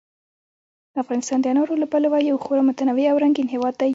افغانستان د انارو له پلوه یو خورا متنوع او رنګین هېواد دی.